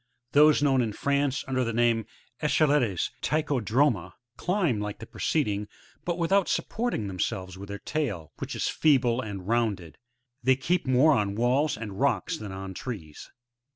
Those known in France under the name of echelettes, — Tichodroma,— climb like the preceding, but without supporting themselves with their tail, which is feeble and rounded ; they keep more on walls and rocks than on trees.